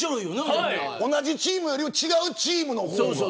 同じチームよりも違うチームの方が。